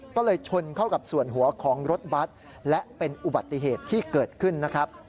ก็เลยชนเข้ากับส่วนหัวของรถบัตรและเป็นอุบัติเหตุที่เกิดขึ้นนะครับ